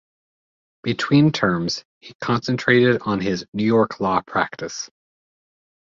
Between terms, he concentrated on his New York law practice.